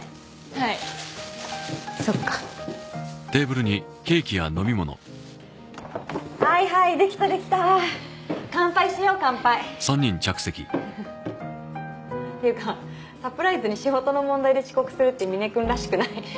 はいそっかはいはいできたできた乾杯しよう乾杯っていうかサプライズに仕事の問題で遅刻するってみね君らしくない？